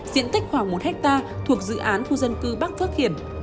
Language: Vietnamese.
diện tích khoảng một hectare thuộc dự án khu dân cư bắc phước hiểm